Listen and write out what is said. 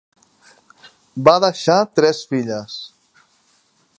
Va deixar tres filles: